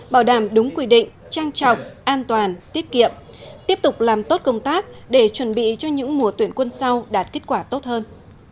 bảo đảm đúng quy định trang trọng an toàn tiết kiệm tiếp tục làm tốt công tác để chuẩn bị cho những mùa tuyển quân sau đạt kết quả tốt hơn